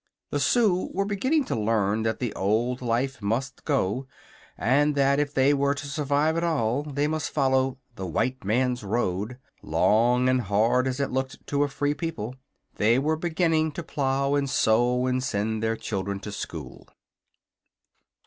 The Sioux were beginning to learn that the old life must go, and that, if they were to survive at all, they must follow "the white man's road," long and hard as it looked to a free people. They were beginning to plow and sow and send their children to school.